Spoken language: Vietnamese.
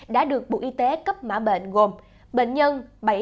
đã được bộ y tế cấp mã bệnh gồm bệnh nhân bảy trăm một mươi chín hai trăm chín mươi